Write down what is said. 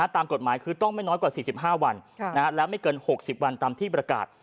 ตามกฎหมายคือต้องไม่น้อยกว่า๔๕วันและไม่เกิน๖๐วันตามที่ประกาศ